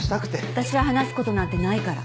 私は話すことなんてないから。